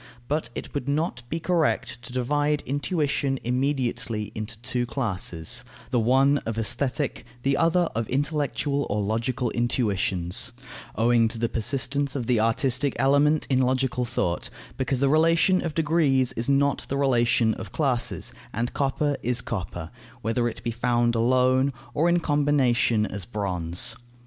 But it would not be correct to divide intuition immediately into two classes, the one of aesthetic, the other of intellectual or logical intuitions, owing to the persistence of the artistic element in logical thought, because the relation of degrees is not the relation of classes, and copper is copper, whether it be found alone, or in combination as bronze.